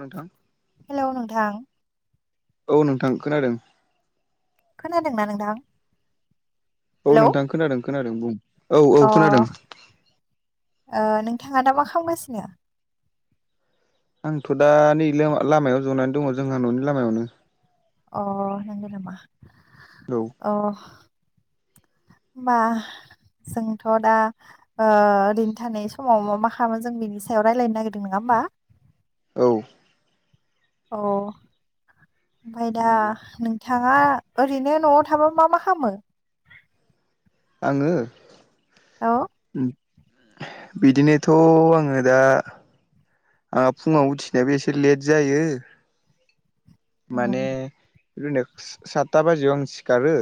नोंथां। हेल' नोंथां। औ नोंथां खोनादों। खोनादोंना नोंथां। औ हेलौ नोंथां खोनादों खोनादों बुं। औ औ अ खोनादों नोंथाङा दा मा खालामगासिनो आंथ' दा नै लामायाव जनानै दङ जोंहा न'नि लामायावनो अ नंगौ नामा औ। अ होनबा जोंथ' दा ओरैनो थानाय समाव मा मा खालामामोन जों बिनि सायाव रायजलायनो नागिरदों नङा होमबा औ। अ ओमफफ्राय दा नंगौ नों। थाङा ओरैनो न'आव थाबाबो मा मा खालामो। आङो। औ। बिदिनोथ' आङो दा आंहा फुङाव उथिनायाबो एसे लेट जायो माने उम बि नेक्स् सातथा बाजियाव आं सिखारो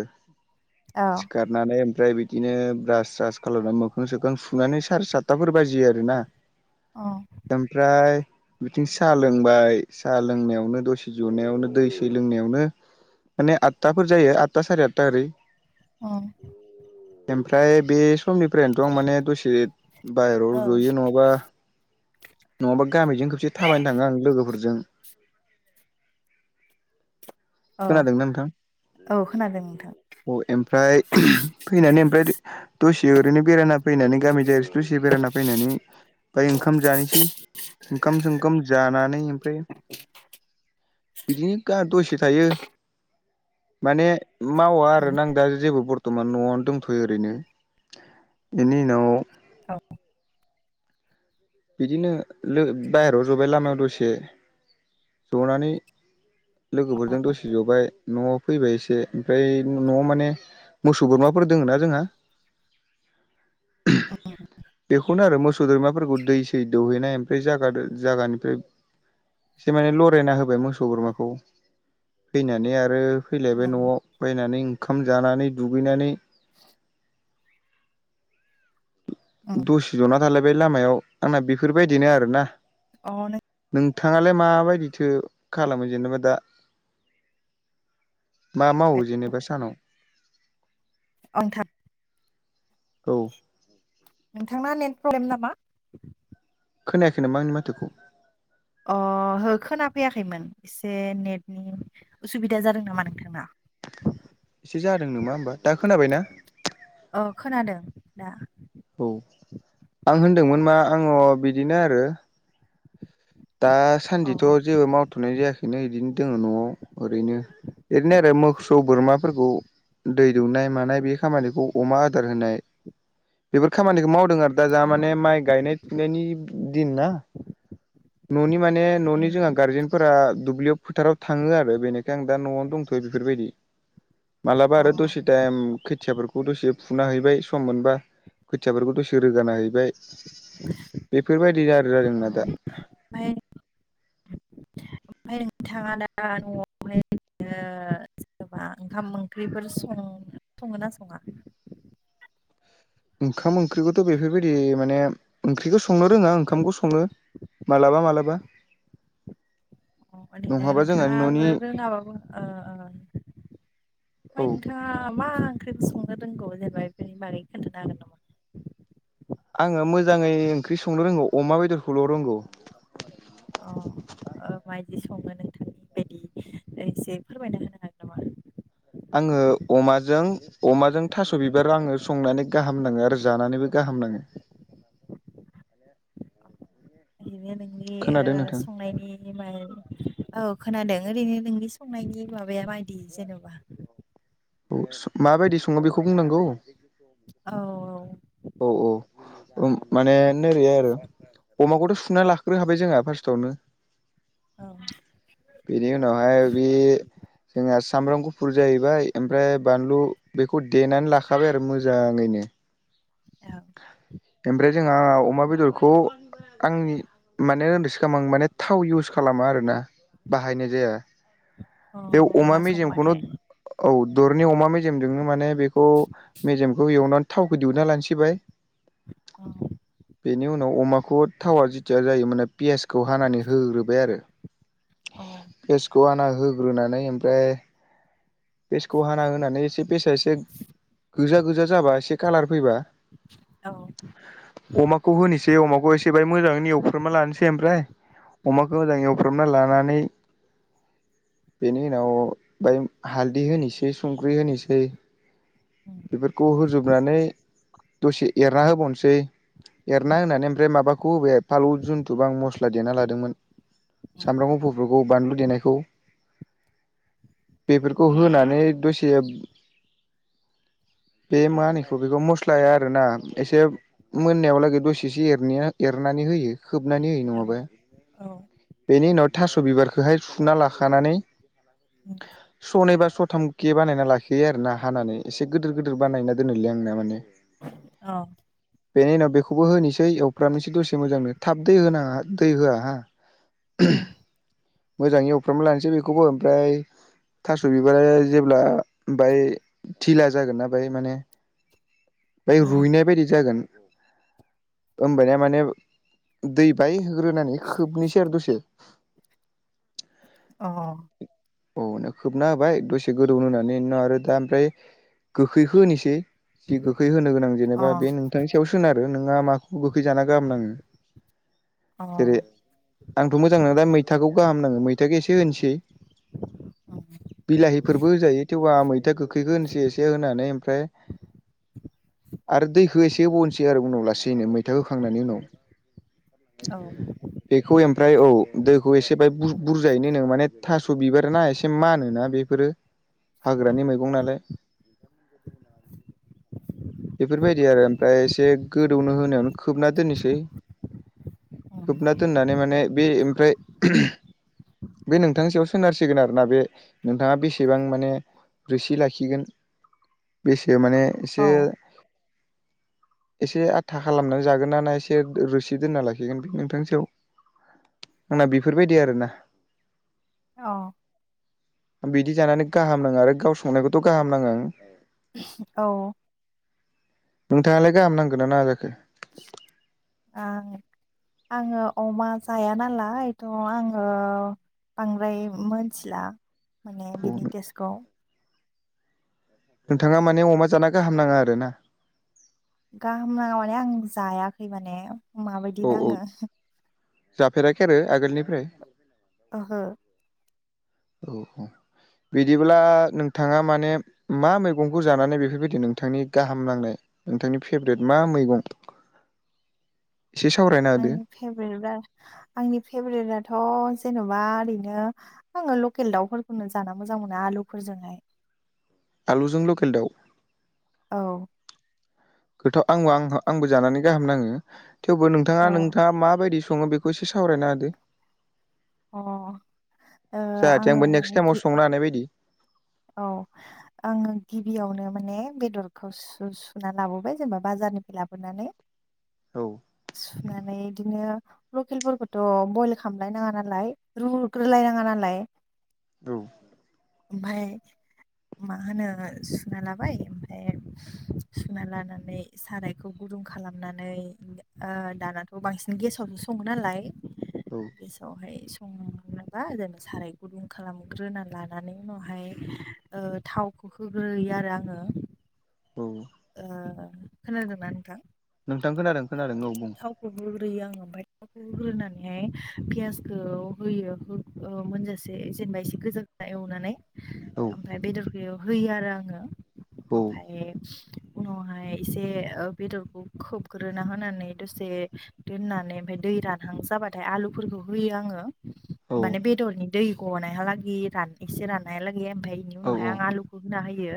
अ। गारनानै ओमफ्राय बिदिनो ब्रास स्रास खालामनानै मोखां सोखां सुनानै सार सातथाफोर बाजियो आरो ना। अ' ओमफ्राय बिथिं साहा लोंबाय साहा लोंनायावनो दसे जनायावनो दै सै लोंनायावनो माने आदथाफोर जायो आदथा साराय आदथाफोर ओरै [inaudible] ओमफ्राय बे समनिफ्रायनोथ' आं माने दसे बाय औ रज'यो नङाबा नङाबा गामिजों खोबसे थाबायना थाङो आं लोगोफोरजों औ खोनादोंना नोंथां? औ खोनादों नोंथां अ' एमफ्राय फैनानै ओमफ्राय दसे ओरैनो बेरायना फैनानै गामि जा दसे बेरायना फैनानै बाय ओंखाम जानोसै। ओंखाम सोंखाम जानानै ओमफ्राय बिदिनो गा दसे थायो माने मावा आरो उम नां दा जेबो बर थ'मान न'आवनो दंथ'यो ओरैनो बेनि उनाव औ बिदिनो लो बायहेराव जबाय लामायाव दसे ज'नानै लोगोफोरजों दसे ज'बाय न'आव फैबाय एसे ओमफ्राय न'आव माने मोसौ बोरमाफोर दोङो ना जोंहा। उम बेखौनो आरो मोसौ बोरमाफोरखौ दै सै दौहैनाय ओमफ्राय जागादो जायगानिफ्राय से माने लरायना होबाय मोसौ बोरमाखौ फैनानै आरो फैलायबाय उम न'आव फैनानै ओंखाम जानानै दुगैनानै [inaudible] उम दसे ज'ना थालायबाय लामायाव आंना बेफोरबायदिनो आरोना। अ' नों नोंथाङालाय माबायदिथो खालामो जेनेबा दा? मा अ मावो जेनेबा सानाव? आं था औ नोंथांना नेट प्रब्लेम नामा? खोनायाखै नामा आंनि माथोखौ। अ' हो खोना फैयाखैमोन एसे नेटनि उसुबिदा जादों नामा नोंथांना? एसे जादों नामा होमबा दा खोनाबाय ना? अ खोनादों दा औ आं होनदोंमोन मा आङ' बिदिनो आरो। अ दासान्दिथ' जेबो माव थ'नाय जायाखैनो इदिनो दोङो न'आव ओरैनो एरैनो आरो मोसौ बोरमाफोरखौ दै दौनाय मानाय बे खामानिखौ अमा आदार होनाय बेफोर खामानिखौ मावदों आर दा जा अ माने माइ गायनाय फुनायनि दिन ना न'नि माने न'नि जोंहा उम गारजेनफोरा दुब्लि‌ फोथाराव थाङो आरो बेनिखाय आं दा न'आवनो दंथ'यो बेफोरबायदि। मालाबा अ आरो द'से टायम खोथियाफोरखौ दसे फुना हैबाय सम मोनबा खोथियाफोरखौ दसे रोगाना हैबाय। बेफोरबायदिनो आरोना जोंना दा। ओमफ्राय ओमफ्राय नोंथाङा दा न'आवनो [unintelligible] ओ जेन'बा ओंखाम ओंख्रिफोर सङो सोङो ना सङा? ओंखाम ओंख्रिखौथ' बेफोरबायदि माने ओंख्रिखौ संनो रोङा ओंखामखौ सङो। मालाबा मालाबा अ ओदिनो नङाबा जोंहा न'नि नोंथाङा रोङाबाबो ओ औ ओमफ्राय नोंथांआ मा ओंख्रिखौ संनो रोंगौ जेनबा बेफोरनि बागै खोन्थानो हागोन नामा? आङो मोजाङै ओंख्रि संनो रोंगौ अमा बेदरखौल' रोंगौ। [inaudible] अ ओ मायदि सङो नोंथांनि बायदि ओ इसे फोरमायना होनो हागोन? नामा? आङो अमाजों अमाजों थास' बिबार आङो संनानै गाहाम नाङो आरो जानानैबो गाहाम नाङो। [unintelligible] नैबे नोंनि ओ‌ खोनादों नोंथां संनायनि नि माय औ खोनादों ओरैनो नोंनि संनायनि माबाया मायदि जेन'बा? औ माबायदि सङो बेखौ बुंनांगौ? औ औ। औ औ उम माने नोरै आरो अमाखौथ' सुना ला ग्रोखाबाय जोङा पास्टावनो। औ। बेनि उनावहाय बि जोंहा सामब्राम गुफुर जाहैबाय ओमफ्राय बानलु बेखौ देनानै लाखाबाय आरो मोजाङैनो। औ। ओमफ्राय जोंहा अमा बेदरखौ आंनि मा ने ओनदैस खामां माने थाव इउस खालामा आरोना बाहायनाय जाया। बेआव औ अमा मेजेमखौनो संबाथाय औ दरनै अमा मेजेमजोंनो माने बेखौ मेजेमखौ एवनानै थावखौ दिहुनना लाग्रोबाय बाय। [inaudible] बेनि उनाव अमाखौ थावा जिथिया जायो माने पियासखौ हानानै होग्रोबाय आरो। अ। पियासखौ हाना होग्रोनानै ओमफ्राय पेसखौ हाना होनानै एसे पेसआ एसे गोजा गोजा जाबा एसे कालार फैबा औ। अमाखौ होनोसै अमाखौ एसे बाहाय मोजाङैनो एवफ्रामना लानोसै ओमफ्राय अमाखौ मोजाङै एवफ्रामना लानानै बेनि उनाव दायो हालदै होनिसै संख्रै होनिसै उम बेफोरखौ होजोबनानै दसे एरना होबावनोसै। एरना उम होनानै ओमफ्राय माबाखौ होबाय फालौ जुन्थुबा आं मस्ला देना लादोंमोन। उम सामब्राम गुफुरखौ बानलु देनायखौ। बेफोरखौ होनानै दसे [inaudible] बे माहोनो इखौ बेखौ मस्लाया आरोना एसे मोननायावलागै दसिसो एरनाय एरनानै होयो। खोबनानै होयो औ नङाबा औ बेनि उनाव थास' बिबारखोहाय सुना लाखानानै उम सनै बा सथाम के बानायना लाखियो आरोना हानानै एसे गोदोर गोदोर बानायना दोनोलै आंना माने। औ। बेनि उनाव बेखौबो होनोसै एवफ्रामनोसै दसे मोजांनो थाब दै होनाङा दै होआ हा। उम मोजाङै एवफ्रामना लानोसै बेखौबो ओमफ्राय थास' बिबारा जेब्ला बाय थिला जागोनना बाय माने बाय उम अ रुइनाय बायदि जागोन ओमबानिया माने दै बाय होग्रोनानै खोबनिसै आरो दसे। औ औ। अ नो खोबना होबाय दसे गोदौनो होनानै इनि उनाव आरो ओमफ्राय गोखैखो होनोसै बि गोखै होनो गोनां जेनेबा बे नोंथां सायाव सोनारो नोंहा माखौ गोखै जाना गाहाम नाङो अ जेरै आंथ' मोजाङा दा मैथाखौ गाहाम नाङो मैथाखो एसे होनोसै। [unintelligible] बिलाहिफोरबो होजायो थेवबो आहा मैथा गोखैखो होनोसै एसे होनानै ओमफ्राय आरो दैखो एसे होबावनोसै आरो उनाव लासैनो मैथा होखांनायनि उनाव। औ बेखौ एमफ्राय औ दैखौ एसे बाय बु-बुरजायैनो होनो माने थास'बिबार रोना एसे मानोना बेफोरो उम हाग्रानि मैगं नालाय। [inaudible] [inaudible] बेफोरबायदि आरो ओमफ्राय एसे गोदौनो होनायावनो खोबना दोननोसै। उम खोबना दोननानै माने बे ओमफ्राय बे नोंथांनि सायाव सोनारसिगोन आरोना बे बेसेबां माने रोसि लाखिगोन बेसे माने औ एसे [inaudible] एसे आथा खालामनानै जागोन ना एसे रोसि दोनना लाखिगोन बे नोंथांनि सयाव। आंना बेफोरबायदि आरोना। औ बिदि जानानै गाहाम नाङो आरो गाव संनायखौथ' गाहाम नाङो आं। औ नोंथाङालाय गाहाम नांगोना नाङा जाखो? आं आङो अमा जाया नालायथ' आङो बांद्राय मोनथिला माने औ बिनि टेस्टखौ। नोंथाङा माने अमा जाना गाहाम नाङा आरो ना? गाहाम नाङा माने आं जायाखै माने औ माबायदि औ नाङो। जाफेराखै आरो आगोलनिफ्राय? ओहो। औ औ बिदिब्ला नोंथाङा माने मा मैगंखौ जानानै बेफोरबायदि नोंथांनि गाहाम नांनाय नोंथांनि फेभ्रेट मा मैगं? [inaudible] एसे सावरायना होदो। फेभ्रेट [unintelligible] आंनि फेभरेटआथ' जेन'बा ओरैनो आङो लकेल दाउफोरखौनो जाना मोजां मोनो आलुफोरजोंहाय। आलुजों लकेल दाउ? औ गोथाव आंबो आंबो जानानै गाहाम नाङो थेवबो नोंथाङा औ नोंथाङा मा बायदि सङो बेखौ एसे सावरायना होदो अ ओ जायाथे आङो आंबो माने नेक्स्ट गि टाइमाव संनो हानाय बायदि। औ आङो गिबियावनो माने बेदरखौ सुना लाबोबाय जेनेबा बाजारनिफ्राय लाबोनानै औ सुनानै बिदिनो लकेलफोरखौथ' बयल खालामलायनाङा नालाय रुग्रोलायनाङा नालाय। औ ओमफ्राय मा होनो सुना लाबाय ओमफ्राय सुना लानानै सारायखौ गुदुं खालामनानै आ दानाथ' बांसिन गेसावनो सङो नालाय औ गेसावहाय संबा आरो साराय गुदुं खालामग्रोना ला नानै उनावहाय ओ थावखो होग्रोयो आरो आङो औ ओ खोनादोंना नोंथां नोंथां खोनादों खोनादों औ बुं थावखौ होग्रोयो आङो ओमफ्राय थावखो होग्रोनानैहाय पियासखौ होयो है मोनजासे जेनबा एसे गोजा फाय एवनानै औ ओमफाय बेदरखौ बहाय होयो आरो आङो ओमफाय उनावहाय एसे ओ बेदरखौ खोबग्रोना होनानै दसे दोननानै ओमफाय दै रानहां जाबाथाय आलुफोरखौ होयो आङो औ माने बेदरनि दै गनायहालागै एसे राननायालागै ओमफाय इनि औ उनावहाय आं आलु खौ होना होयो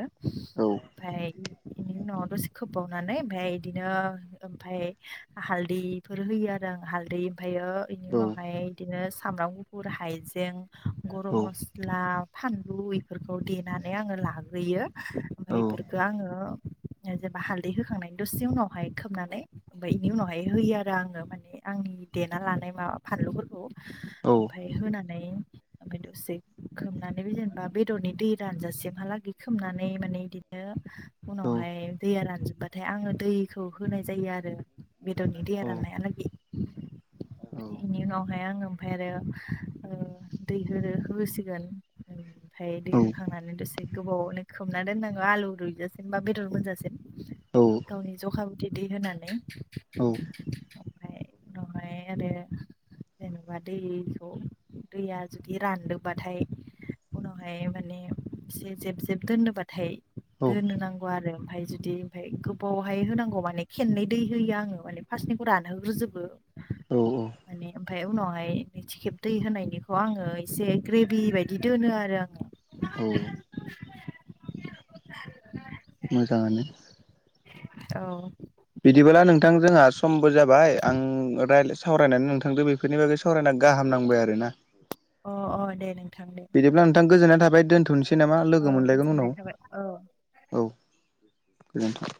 औ ओमफाय इनि उनाव दसे खोबावनानै ओमफाय इदिनो ओमफाय हालदि फोर होयो आरो आं हालदै ओमफायो बेनि उनावहाय इदिनो सामब्राम गुफुर हायजें गरम मस्ला फानलु इफोरखौ देनानै आङो लाग्रोयो ओमफाय औ इफोरखो आङो जेनबा हालदै होखांनायनि दसे उनावहाय खोबनानै ओमफाय इनि उनावहाय होयो आरो आङो माने आंनि देना लानाय माबा फानलुफोरखौ ओमफाय होनानै ओमफाय दसे खोबनानैबो जेनबा बेदरनि दै रानजासेमहालागि खोमनानै माने इदिनो उनावहाय दैया रानजोब्बाथाय आङो दैखौ होनाय जायो आरो बेदरनि दैया राननायालागै इनि उनावहाय आङो ओमफाय आरो ओ दै हो होसिगोन ओमफाय दै होखांनानै दसे गोबावनो खोबना दोननाङो आलु रुइजासिम बा बेदर मोनजासिम गावनि जखा इदि दै होनानै ओमफाय उनावहाय आरो जेनबा दैखौ दैया जुदि रानदोबाथाय उनावहाय माने एसे जेब जेब दोननोबाथाय दोन्नो नांगौ आरो ओमफाय जुदि ओमफाय गोब बावहाय होनांगौ माने खेननै दै होयो आङो माने फास्टनिखौ रानहोग्रोजोबो औ औ माने ओमफाय उनावहाय नैथि खेब दै होनायनिखौ आङो एसे ग्रेभि बायदि दोनो आरो आङो औ [inaudible] मोजांङानो औ बिदिबोला नोंथां जोंहा समबो जाबाय आं राय सावरायनानै नोंथांदो बेफोरनि बागै सावरायना गाहाम नांबाय आरो ना अ अ दे नोंथां दे बिदिब्ला नोंथां गोजोनाय थाबाय दोनथ'नोसै नामा लोगो औ मोनलायगोन गोजोननाय उनाव थाबाय औ औ गोजोनथों